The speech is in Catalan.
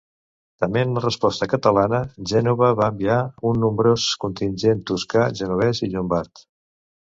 Tement la resposta catalana, Gènova va enviar un nombrós contingent toscà, genovès i llombard.